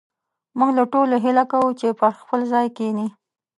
موږ له ټولو هيله کوو چې پر خپل ځاى کښېنئ